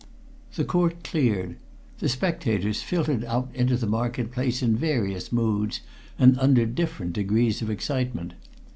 The court cleared; the spectators filtered out into the market place in various moods, and under different degrees of excitement.